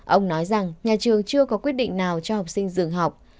ông nói rằng nhà trường chưa có quyết định nào cho học sinh dừng học